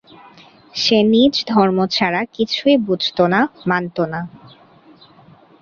সে নিজ ধর্ম ছাড়া কিছুই বুঝত না, মানত না।